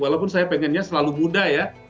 walaupun saya pengennya selalu muda ya